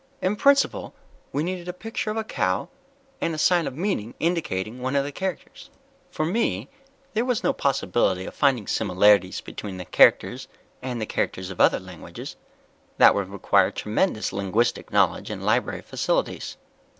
In principle, we needed a picture of a cow, and a sign of meaning indicating one of the characters. "For me, there was no possibility of finding similarities between the characters and characters of other languages that would require tremendous linguistic knowledge and library facilities.